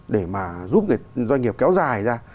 để mà giúp doanh nghiệp kéo dài ra